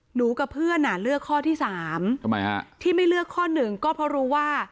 หนูกับเพื่อนเลือกข้อที่๓ที่ไม่เลือกข้อ๑ก็เพราะรู้ว่า